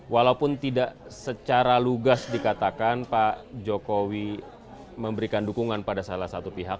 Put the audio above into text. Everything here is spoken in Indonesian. walaupun tidak secara lugas dikatakan pak jokowi memberikan dukungan pada salah satu pihak